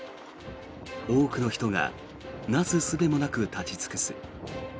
多くの人がなすすべもなく立ち尽くす。